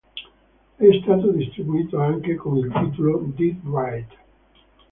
È stato distribuito anche con il titolo "Dead Right".